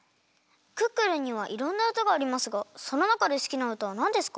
「クックルン」にはいろんなうたがありますがそのなかですきなうたはなんですか？